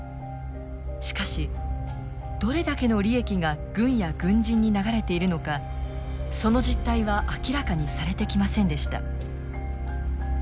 しかしどれだけの利益が軍や軍人に流れているのかその実態は明らかにされてきませんでした。